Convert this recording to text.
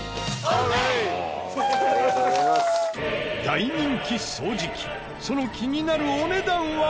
大人気掃除機その気になるお値段は。